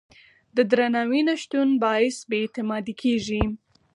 د درناوي نه شتون باعث بې اعتمادي کېږي.